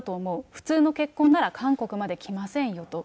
普通の結婚なら韓国まで来ませんよと。